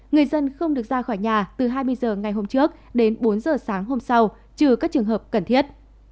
người dân không được ra khỏi nhà từ hai mươi h ngày hôm trước đến bốn h sáng hôm sau trừ các trường hợp cần thiết